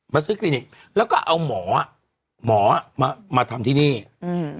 ซื้อคลินิกแล้วก็เอาหมออ่ะหมออ่ะมามาทำที่นี่อืม